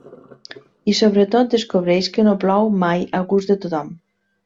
I, sobretot, descobreix que no plou mai a gust de tothom.